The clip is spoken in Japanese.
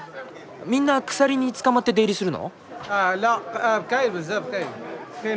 みんな鎖につかまって出入りするの？